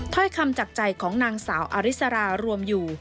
ถ้อยคำจากใจของนางสาวอาริสรารวมอยู่